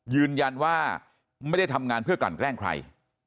ยืนยันว่าไม่ได้ทำงานเพื่อกลั่นแกล้งใคร